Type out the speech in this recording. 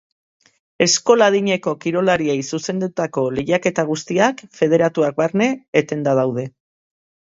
Eskola-adineko kirolariei zuzendutako lehiaketa guztiak, federatuak barne, etenda daude.